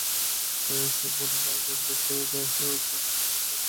Salmon, barramundi, sword fish, lemon sole, tuna, John Dory আরও অনেক কিসিমের মাছ।